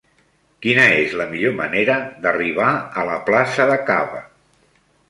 Quina és la millor manera d'arribar a la plaça de Caba?